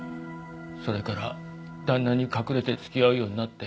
それから旦那に隠れて付き合うようになって。